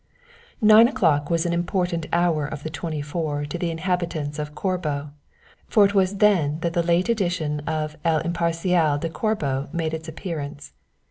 Nine o'clock was an important hour of the twenty four to the inhabitants of Corbo, for it was then that the late edition of El Imparcial de Corbo made its appearance.